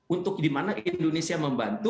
untuk dimana indonesia membantu